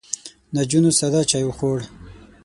نجونو ساده چای خوړ.